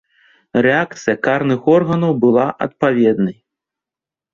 Рэакцыя карных органаў была адпаведнай.